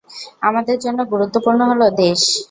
আমাদের জন্য গুরুত্বপূর্ণ হলো দেশ।